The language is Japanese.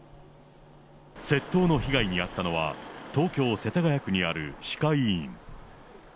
窃盗の被害に遭ったのは、東京・世田谷区にある歯科医院。